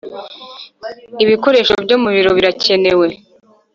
Ibikoresho byo mu biro birakenewe